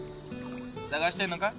捜してんのか？